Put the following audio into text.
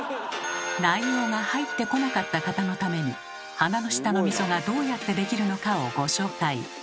内容が入ってこなかった方のために鼻の下の溝がどうやってできるのかをご紹介。